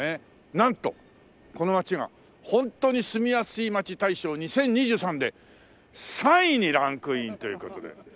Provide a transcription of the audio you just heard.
なんとこの街が「本当に住みやすい街大賞２０２３」で３位にランクインという事で。